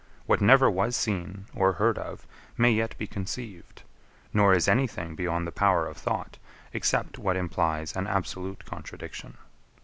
What never was seen, or heard of, may yet be conceived; nor is any thing beyond the power of thought, except what implies an absolute contradiction.